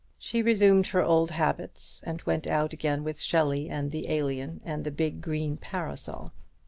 She resumed her old habits, and went out again with Shelley and the "Alien," and the big green parasol.